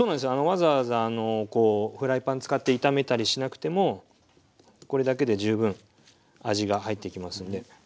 わざわざフライパン使って炒めたりしなくてもこれだけで十分味が入っていきますんで。